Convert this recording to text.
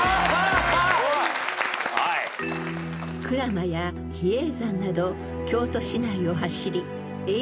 ［鞍馬や比叡山など京都市内を走りえ